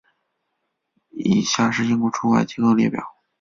以下是英国驻外机构列表。